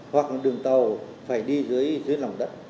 hoặc là đường tàu phải đi dưới lòng đất